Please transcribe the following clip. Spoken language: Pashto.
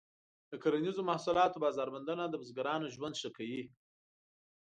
د کرنیزو محصولاتو بازار موندنه د بزګرانو ژوند ښه کوي.